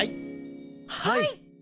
はい！